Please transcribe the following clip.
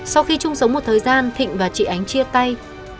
sau khi chung sống một thời gian thịnh và chị ánh chia tay